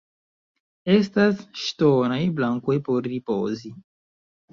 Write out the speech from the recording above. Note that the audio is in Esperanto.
Estas ŝtonaj bankoj por ripozi.